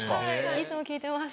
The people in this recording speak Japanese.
いつも聴いてます。